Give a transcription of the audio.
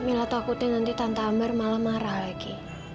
mila takutin nanti tante amber malah marah lagi